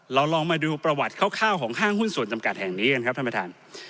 เราลองมาดูประวัติคร่าวของห้างหุ้นส่วนจำกัดแห่งนี้กันครับท่านประธาน